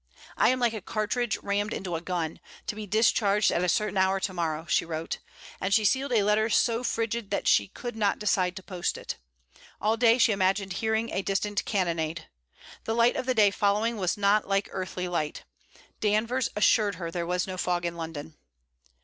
'I am like a cartridge rammed into a gun, to be discharged at a certain hour tomorrow,' she wrote; and she sealed a letter so frigid that she could not decide to post it. All day she imagined hearing a distant cannonade. The light of the day following was not like earthly light. Danvers assured her there was no fog in London.